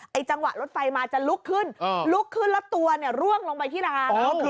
จังหวะรถไฟมาจะลุกขึ้นลุกขึ้นแล้วตัวเนี่ยร่วงลงไปที่ร้าน